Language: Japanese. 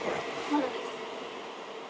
・まだです。